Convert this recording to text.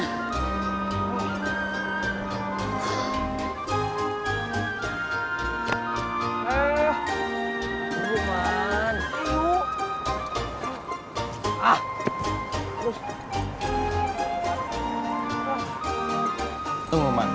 jauh lagi man